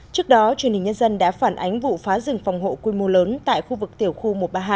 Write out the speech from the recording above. trước đó truyền hình nhân dân đã phản ánh vụ phá rừng phòng hộ quy mô lớn tại khu vực tiểu khu một trăm ba mươi hai